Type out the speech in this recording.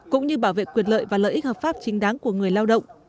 cũng như bảo vệ quyền lợi và lợi ích hợp pháp chính đáng của người lao động